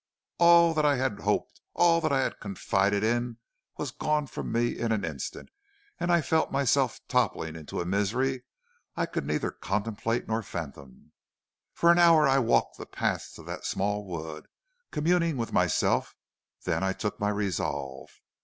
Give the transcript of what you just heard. All that I had hoped, all that I had confided in, was gone from me in an instant, and I felt myself toppling into a misery I could neither contemplate nor fathom. For an hour I walked the paths of that small wood, communing with myself; then I took my resolve.